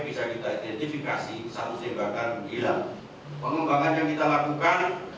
pengembangan yang kita lakukan